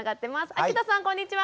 秋田さんこんにちは。